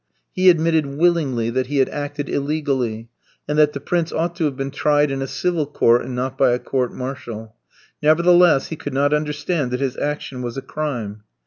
He admitted willingly that he had acted illegally, and that the prince ought to have been tried in a civil court, and not by a court martial. Nevertheless, he could not understand that his action was a crime.